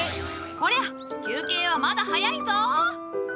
こりゃ休憩はまだ早いぞ！